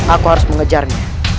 aku harus mengejarnya